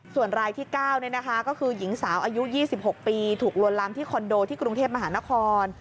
ส่วนรายที่๙ก็คือหญิงสาวอายุ๒๖ปีถูกลวนลามที่คอนโดที่กรุงเทพมหานคร